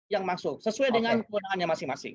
yang masuk sesuai dengan kewenangannya masing masing